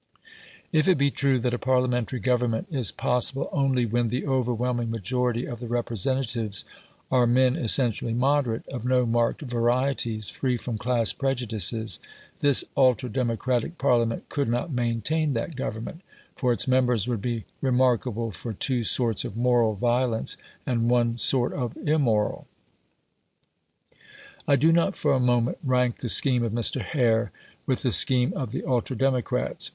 If it be true that a Parliamentary government is possible only when the overwhelming majority of the representatives are men essentially moderate, of no marked varieties, free from class prejudices, this ultra democratic Parliament could not maintain that government, for its members would be remarkable for two sorts of moral violence and one sort of immoral. I do not for a moment rank the scheme of Mr. Hare with the scheme of the ultra democrats.